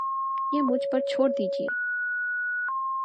یہ مجھ پر چھوڑ دیجئے